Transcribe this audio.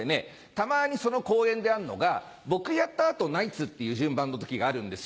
たまにその公演であるのが僕やった後ナイツっていう順番の時があるんですよ。